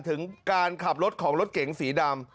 ถึงการขับรถของรถเก๋งสีดำ